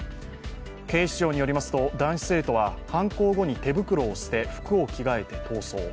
警視庁によりますと、男子生徒は犯行後に手袋を捨て服を着替えて逃走。